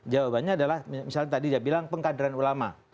jawabannya adalah misalnya tadi dia bilang pengkaderan ulama